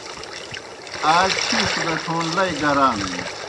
آ چِھیݜ بیٹھون لئی گرانِن۔